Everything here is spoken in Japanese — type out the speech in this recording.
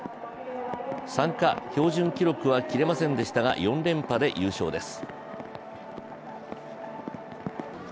参加標準記録は切れませんでしたが４連覇で優勝です。